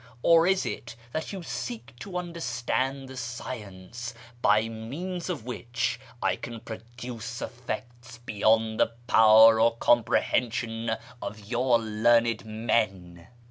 Or is it that you seek to understand the science by means of which I can produce effects beyond the power or comprehension of your learned men